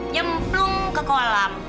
nyemplung ke kolam